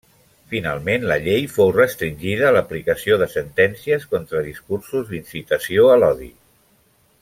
Finalment, la llei fou restringida a l'aplicació de sentències contra discursos d'incitació a l'odi.